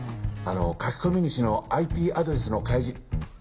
書き込み主のＩＰアドレスの開示。